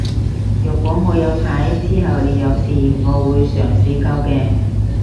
若果我有牌之後你有事我會嘗試救嘅